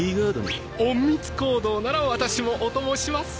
隠密行動なら私もお供します。